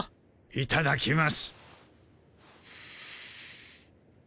いただきます。